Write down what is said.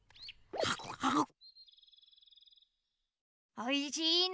おいしいね。